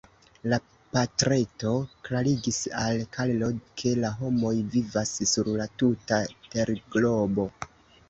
La patreto klarigis al Karlo, ke la homoj vivas sur la tuta terglobo.